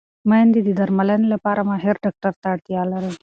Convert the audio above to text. مېندې د درملنې لپاره ماهر ډاکټر ته اړتیا لري.